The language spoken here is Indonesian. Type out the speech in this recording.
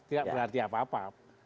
tidak berarti apa apa